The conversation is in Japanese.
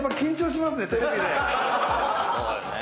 そうよね。